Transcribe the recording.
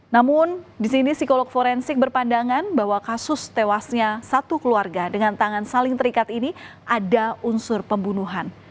namun di sini psikolog forensik berpandangan bahwa kasus tewasnya satu keluarga dengan tangan saling terikat ini ada unsur pembunuhan